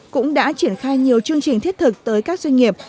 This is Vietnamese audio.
cũng đã triển khai nhiều chương trình thiết thực tới các doanh nghiệp